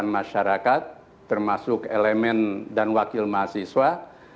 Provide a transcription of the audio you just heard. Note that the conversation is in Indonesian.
dan seluruh kekuatan masyarakat termasuk elemen dan wakil mahasiswa